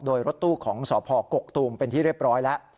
โดยรถตู้ของสพกกตูมเป็นที่เรียบร้อยแล้ว